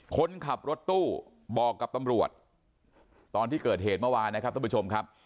คนขับรถตู้บอกกับตำรวจตอนที่เกิดเหตุเมื่อวานนะครับท่านผู้ชมครับ